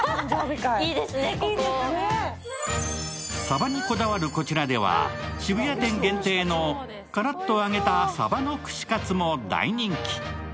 さばにこだわるこちらでは、渋谷店限定のカラッと揚げたサバの串カツも大人気。